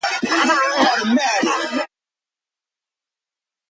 The village has five elementary schools and one junior high school.